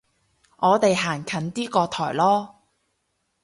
我哋行近啲個台囉